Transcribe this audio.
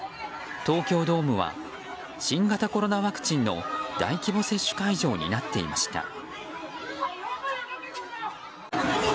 東京ドームは新型コロナワクチンの大規模接種会場になっていました。